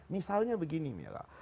misalnya begini mila